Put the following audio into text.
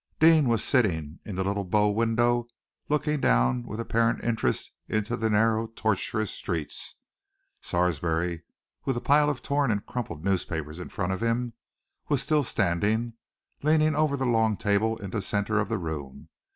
Deane was sitting in the little bow window, looking down with apparent interest into the narrow, tortuous street. Sarsby, with a pile of torn and crumpled newspapers in front of him, was still standing, leaning over the long table in the centre of the room.